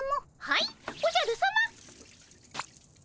はいおじゃるさま。